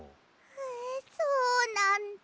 えそうなんだ。